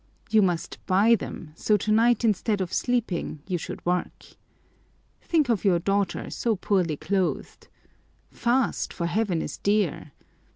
You must buy them, so tonight instead of sleeping you should work. Think of your daughter, so poorly clothed! Fast, for heaven is dear!